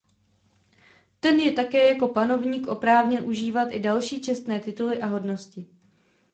Ten je také jako panovník oprávněn užívat i další čestné tituly a hodnosti.